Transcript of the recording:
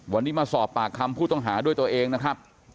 วันนี้มาสอบปากคำผู้ต้องหาด้วยตัวเองนะครับ